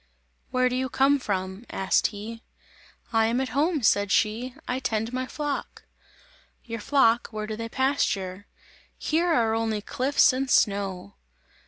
"Where do you come from?" asked he. "I am at home," said she, "I tend my flock!" "Your flock, where do they pasture? Here are only cliffs and snow!"